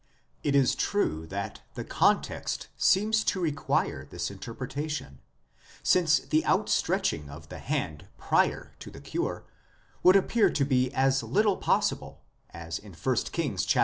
It is true that the context seems to require this interpretation, since the outstretching of the hand prior to the cure would appear to be as little possible, as in 1 Kings xiii.